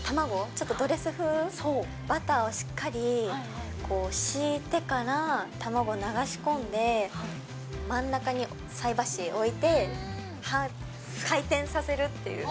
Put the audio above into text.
ちょっとドレス風？バターをしっかりひいてから卵を流し込んで、真ん中に菜箸置いて、回転させるっていう。